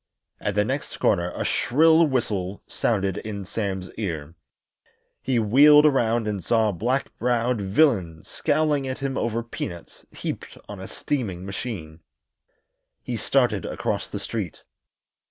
At the next corner a shrill whistle sounded in Sam's ear. He wheeled around and saw a black browed villain scowling at him over peanuts heaped on a steaming machine. He started across the street.